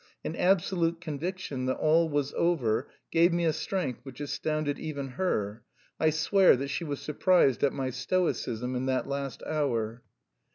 An absolute conviction that all was over gave me a strength which astounded even her. I swear that she was surprised at my stoicism in that last hour."